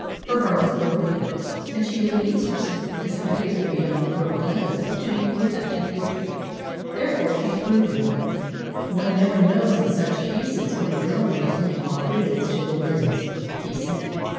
Her heart is broken, and she believes herself, as every other young girl does, to be without a future. Therefore, she's brooding over it. One never knows in such cases when a girl may fling all prudence to the winds," he said.